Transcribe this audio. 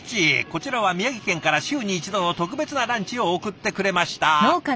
こちらは宮城県から週に１度の特別なランチを送ってくれました。